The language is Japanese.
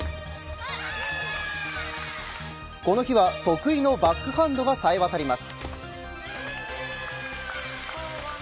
この日は得意のバックハンドがさえ渡ります。